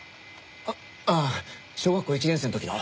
ああ小学校１年生の時の。